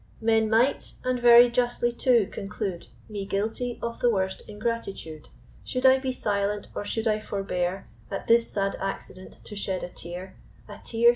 Men might, and very justly too, conclude Me guilty of the worst ingratitude, Should I be silent, or should I forbear At this sad accident to shed a tear; A tear!